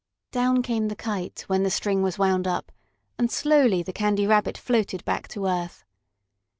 Down came the kite when the string was wound up, and slowly the Candy Rabbit floated back to earth.